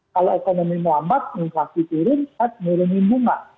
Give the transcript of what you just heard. kalau ekonomi muamad inflasi turun dan menurunkan bunga